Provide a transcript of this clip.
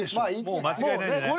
もう間違いないんじゃない？